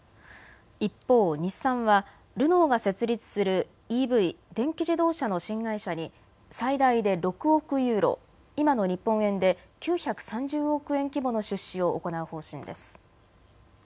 一方、日産はルノーが設立するＥＶ・電気自動車の新会社に最大で６億ユーロ、今の日本円で９３０億円規模の出資を行う方針です。